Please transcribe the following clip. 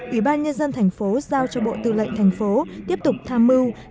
ủy ban nhân dân thành phố giao cho bộ tư lệnh thành phố tiếp tục tham mưu